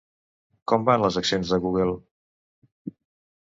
Com van les accions de Google?